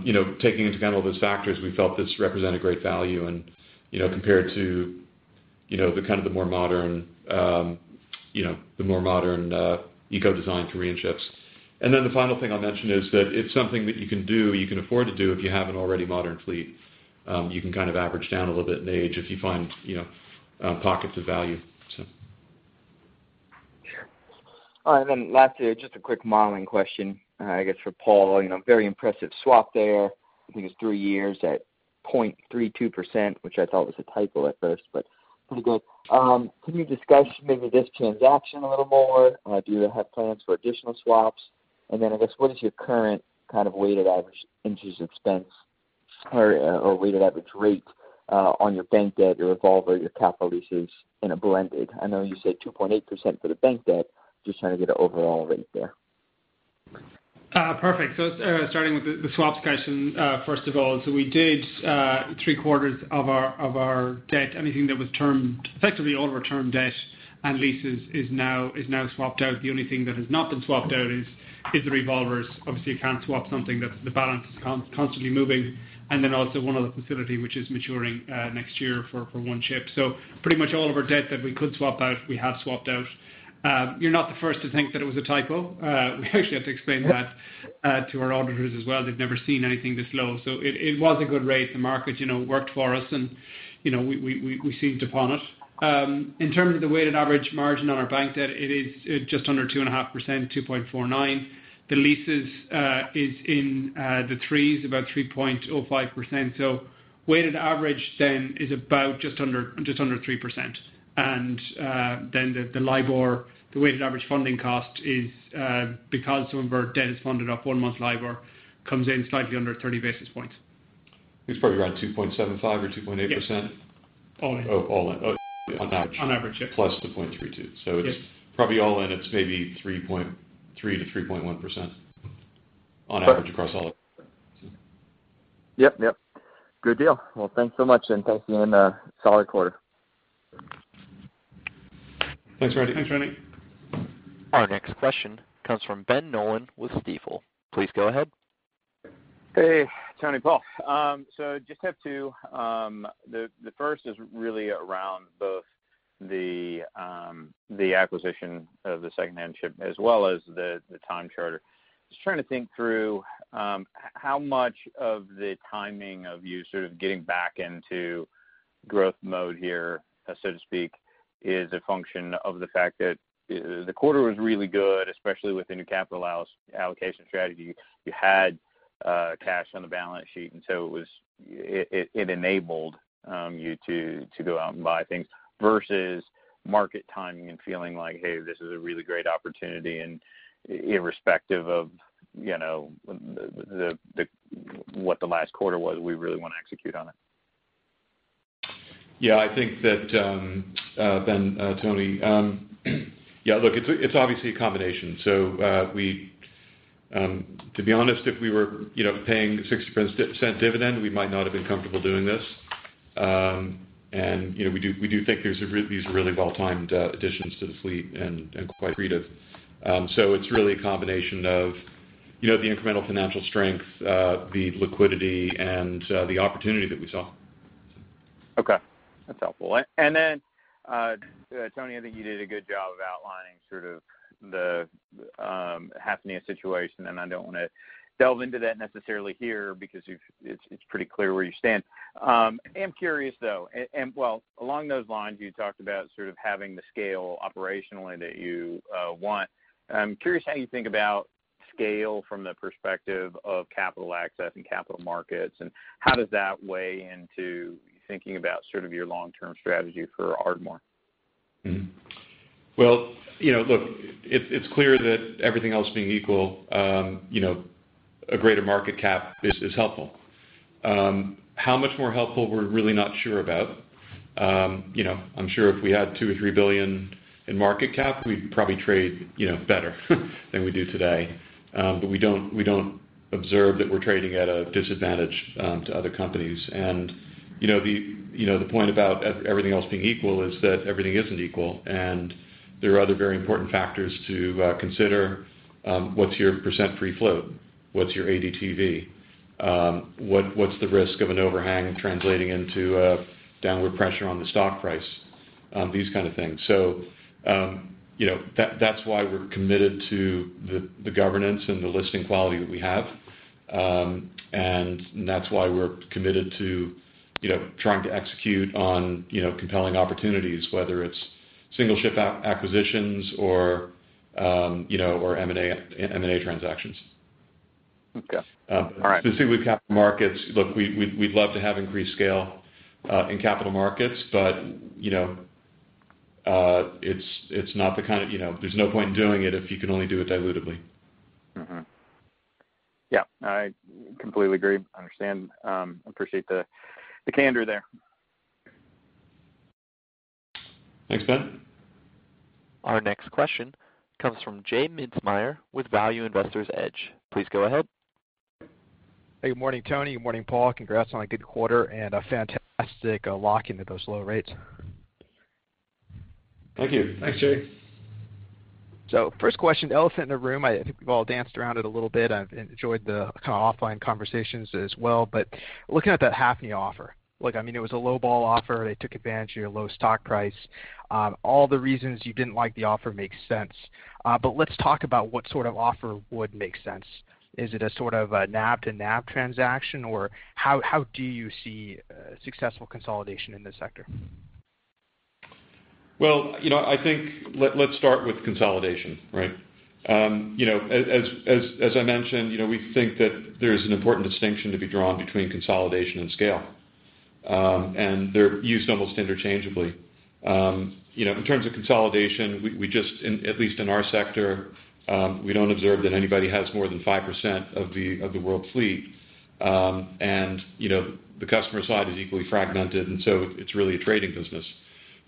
Speaker 2: you know, taking into account all those factors, we felt this represented great value and, you know, compared to, you know, the kind of the more modern, you know, the more modern, eco-designed Korean ships. And then the final thing I'll mention is that it's something that you can do, you can afford to do if you have an already modern fleet. You can kind of average down a little bit in age if you find, you know, pockets of value, so.
Speaker 7: Sure. All right, and then lastly, just a quick modeling question, I guess for Paul. You know, very impressive swap there. I think it's 3 years at 0.32%, which I thought was a typo at first, but pretty good. Can you discuss maybe this transaction a little more? Do you have plans for additional swaps? And then, I guess, what is your current kind of weighted average interest expense or, or weighted average rate, on your bank debt, your revolver, your capital leases in a blended? I know you said 2.8% for the bank debt. Just trying to get an overall rate there.
Speaker 3: Perfect. So, starting with the swap question, first of all, so we did three quarters of our debt. Anything that was termed effectively all of our termed debt and leases is now swapped out. The only thing that has not been swapped out is the revolvers. Obviously, you can't swap something that's the balance is constantly moving. And then also one other facility, which is maturing next year for one ship. So pretty much all of our debt that we could swap out, we have swapped out. You're not the first to think that it was a typo. We actually have to explain that to our auditors as well. They've never seen anything this low, so it was a good rate. The market, you know, worked for us and, you know, we seized upon it. In terms of the weighted average margin on our bank debt, it is just under 2.5%, 2.49. The leases is in the threes, about 3.05%. So weighted average then is about just under 3%. Then the LIBOR, the weighted average funding cost is because some of our debt is funded off one month LIBOR comes in slightly under 30 basis points.
Speaker 2: It's probably around 2.75% or 2.8%.
Speaker 3: Yeah. All in.
Speaker 2: Oh, all in. Oh, on average.
Speaker 3: On average, yeah.
Speaker 2: +0.32.
Speaker 3: Yes.
Speaker 2: It's probably all in, it's maybe 3.3%-3.1% on average across all of it.
Speaker 7: Yep, yep. Good deal. Well, thanks so much, and thanks again, solid quarter.
Speaker 2: Thanks, Randy. Thanks, Randy.
Speaker 1: Our next question comes from Ben Nolan with Stifel. Please go ahead.
Speaker 8: Hey, Tony, Paul. So just have two. The first is really around both the acquisition of the secondhand ship as well as the time charter. Just trying to think through how much of the timing of you sort of getting back into growth mode here, so to speak, is a function of the fact that the quarter was really good, especially with the new capital allocation strategy. You had cash on the balance sheet, and so it enabled you to go out and buy things versus market timing and feeling like, "Hey, this is a really great opportunity, and irrespective of, you know, what the last quarter was, we really want to execute on it.
Speaker 2: Yeah, I think that, Ben, Tony, yeah, look, it's, it's obviously a combination. So, we, to be honest, if we were, you know, paying 60% dividend, we might not have been comfortable doing this. And, you know, we do, we do think these are really well-timed, additions to the fleet and, and quite creative. So, it's really a combination of, you know, the incremental financial strength, the liquidity, and, the opportunity that we saw.
Speaker 8: Okay, that's helpful. And then, Tony, I think you did a good job of outlining sort of the Hafnia situation, and I don't wanna delve into that necessarily here because it's pretty clear where you stand. I am curious, though, and well, along those lines, you talked about sort of having the scale operationally that you want. I'm curious how you think about scale from the perspective of capital access and capital markets, and how does that weigh into thinking about sort of your long-term strategy for Ardmore?
Speaker 2: Mm-hmm. Well, you know, look, it, it's clear that everything else being equal, you know, a greater market cap is, is helpful. How much more helpful we're really not sure about. You know, I'm sure if we had $2-$3 billion in market cap, we'd probably trade, you know, better than we do today. But we don't, we don't observe that we're trading at a disadvantage to other companies. And, you know, the, you know, the point about everything else being equal is that everything isn't equal, and there are other very important factors to consider. What's your percent free float? What's your ADTV? What, what's the risk of an overhang translating into downward pressure on the stock price? These kind of things. So, you know, that's why we're committed to the governance and the listing quality that we have. And that's why we're committed to, you know, trying to execute on, you know, compelling opportunities, whether it's single ship acquisitions or, you know, or M&A transactions.
Speaker 8: Okay. All right.
Speaker 2: To see with capital markets, look, we'd love to have increased scale in capital markets, but, you know, it's not the kind of... You know, there's no point in doing it if you can only do it dilutively.
Speaker 8: Mm-hmm. Yeah, I completely agree. I understand. Appreciate the candor there.
Speaker 2: Thanks, Ben.
Speaker 1: Our next question comes from J. Mintzmyer with Value Investor's Edge. Please go ahead.
Speaker 9: Hey, good morning, Tony. Good morning, Paul. Congrats on a good quarter and a fantastic lock into those low rates.
Speaker 2: Thank you. Thanks, Jay.
Speaker 9: First question, elephant in the room. I think we've all danced around it a little bit. I've enjoyed the kind of offline conversations as well, but looking at that Hafnia offer, look, I mean, it was a low ball offer. They took advantage of your low stock price. All the reasons you didn't like the offer makes sense. But let's talk about what sort of offer would make sense. Is it a sort of a NAV-to-NAV transaction, or how, how do you see successful consolidation in this sector?
Speaker 2: Well, you know, I think let's start with consolidation, right? You know, as I mentioned, you know, we think that there's an important distinction to be drawn between consolidation and scale. And they're used almost interchangeably. You know, in terms of consolidation, we just, at least in our sector, we don't observe that anybody has more than 5% of the world fleet. And, you know, the customer side is equally fragmented, and so it's really a trading business.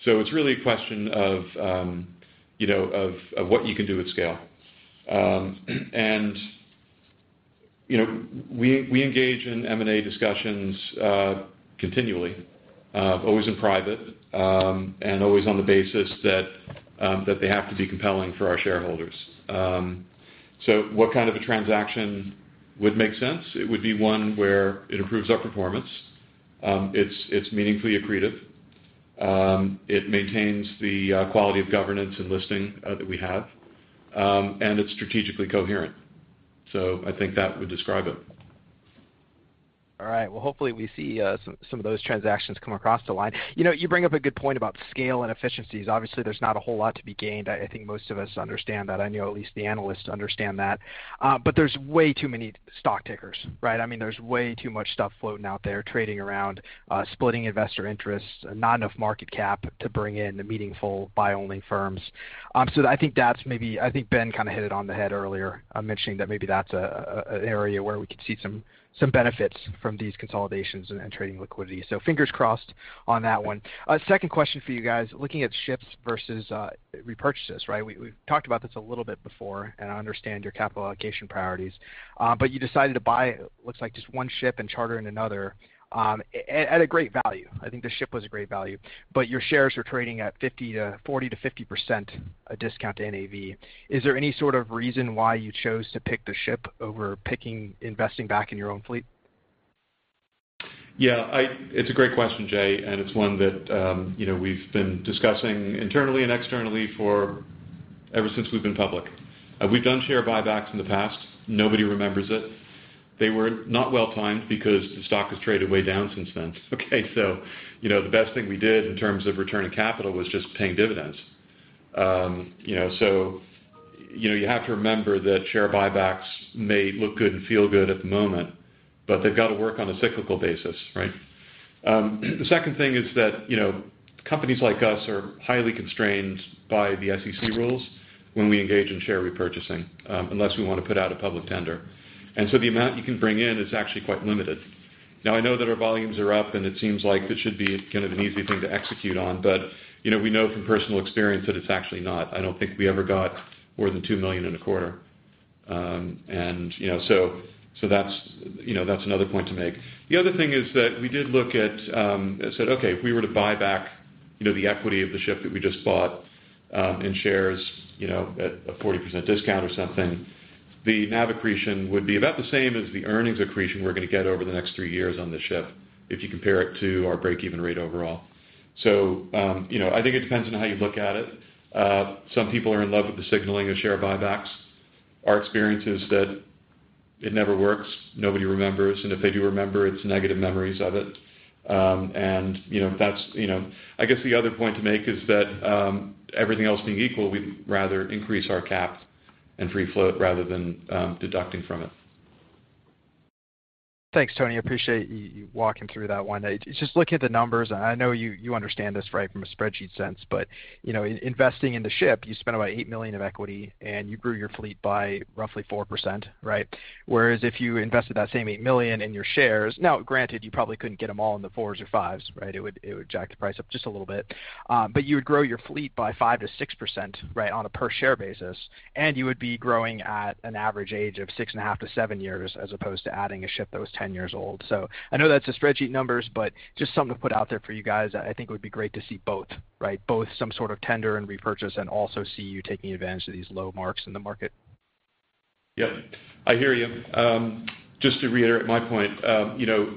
Speaker 2: So it's really a question of, you know, of what you can do with scale. And, you know, we engage in M&A discussions continually, always in private, and always on the basis that they have to be compelling for our shareholders. So what kind of a transaction would make sense? It would be one where it improves our performance, it's meaningfully accretive, it maintains the quality of governance and listing that we have, and it's strategically coherent. So I think that would describe it.
Speaker 9: All right. Well, hopefully we see some of those transactions come across the line. You know, you bring up a good point about scale and efficiencies. Obviously, there's not a whole lot to be gained. I think most of us understand that. I know at least the analysts understand that. But there's way too many stock tickers, right? I mean, there's way too much stuff floating out there, trading around, splitting investor interests, not enough market cap to bring in the meaningful buy-only firms. So I think that's maybe, I think Ben kind of hit it on the head earlier, mentioning that maybe that's an area where we could see some benefits from these consolidations and trading liquidity. So fingers crossed on that one. Second question for you guys. Looking at ships versus repurchases, right? We, we've talked about this a little bit before, and I understand your capital allocation priorities. But you decided to buy, looks like just one ship and chartering another, at a great value. I think the ship was a great value, but your shares are trading at 40%-50% discount to NAV. Is there any sort of reason why you chose to pick the ship over picking, investing back in your own fleet?
Speaker 2: Yeah, it's a great question, Jay, and it's one that, you know, we've been discussing internally and externally for ever since we've been public. We've done share buybacks in the past. Nobody remembers it. They were not well-timed because the stock has traded way down since then, okay? So, you know, the best thing we did in terms of returning capital was just paying dividends. You know, so, you know, you have to remember that share buybacks may look good and feel good at the moment, but they've got to work on a cyclical basis, right? The second thing is that, you know, companies like us are highly constrained by the SEC rules when we engage in share repurchasing, unless we want to put out a public tender. And so the amount you can bring in is actually quite limited. Now, I know that our volumes are up, and it seems like it should be kind of an easy thing to execute on, but, you know, we know from personal experience that it's actually not. I don't think we ever got more than $2 million in a quarter. And, you know, that's another point to make. The other thing is that we did look at and said, "Okay, if we were to buy back, you know, the equity of the ship that we just bought in shares, you know, at a 40% discount or something, the NAV accretion would be about the same as the earnings accretion we're gonna get over the next three years on the ship, if you compare it to our break-even rate overall." So, you know, I think it depends on how you look at it. Some people are in love with the signaling of share buybacks. Our experience is that it never works. Nobody remembers, and if they do remember, it's negative memories of it. You know, that's, you know... I guess the other point to make is that everything else being equal, we'd rather increase our cap and free float rather than deducting from it.
Speaker 9: Thanks, Tony. I appreciate you walking through that one. Just looking at the numbers, and I know you understand this, right, from a spreadsheet sense, but, you know, in investing in the ship, you spent about $8 million of equity, and you grew your fleet by roughly 4%, right? Whereas if you invested that same $8 million in your shares, now, granted, you probably couldn't get them all in the $4s or $5s, right? It would jack the price up just a little bit. But you would grow your fleet by 5%-6%, right, on a per share basis, and you would be growing at an average age of 6.5 to 7 years, as opposed to adding a ship that was 10 years old. I know that's the spreadsheet numbers, but just something to put out there for you guys. I think it would be great to see both, right? Both some sort of tender and repurchase, and also see you taking advantage of these low marks in the market.
Speaker 2: Yep, I hear you. Just to reiterate my point, you know,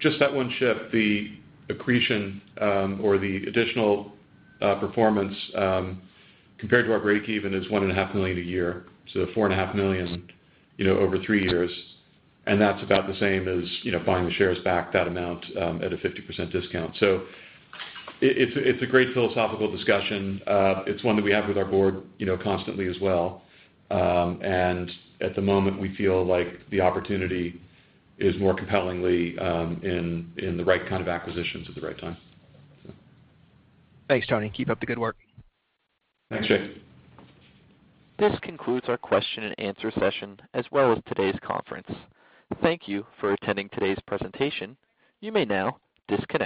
Speaker 2: just that one ship, the accretion, or the additional performance, compared to our breakeven is $1.5 million a year, so $4.5 million, you know, over 3 years, and that's about the same as, you know, buying the shares back that amount, at a 50% discount. So it, it's a great philosophical discussion. It's one that we have with our board, you know, constantly as well. And at the moment, we feel like the opportunity is more compellingly in the right kind of acquisitions at the right time, so.
Speaker 9: Thanks, Tony. Keep up the good work.
Speaker 2: Thanks, Jay.
Speaker 1: This concludes our question and answer session, as well as today's conference. Thank you for attending today's presentation. You may now disconnect.